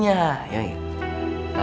nasi rames doang